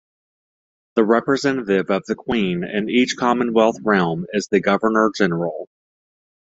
The representative of the Queen in each Commonwealth realm is the governor-general.